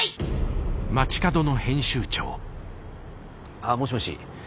ああもしもし。